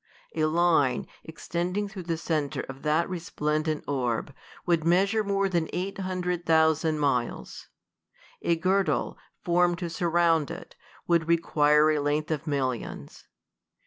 A line, ex tending through the centre of that resplendent orb^ would measure more than eight hundred thousand miles. A girdle, formed to suri'ound it, w^ould require a length of millions.